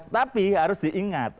tapi harus diingat